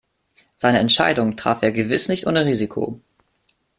Seine Entscheidung traf er gewiss nicht ohne Risiko.